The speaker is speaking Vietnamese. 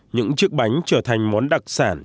những chiếc bánh trở thành món đặc sản